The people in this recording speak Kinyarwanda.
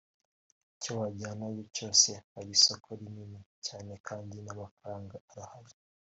icyo wajyanayo cyose hari isoko rinini cyane kandi n’amafaranga arahari